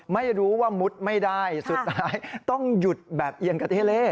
ไม่รู้ว่ามุดไม่ได้สุดท้ายต้องหยุดแบบเอียงกระเทเล่